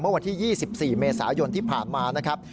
วันที่๒๔เมษายนที่ผ่านมานะครับ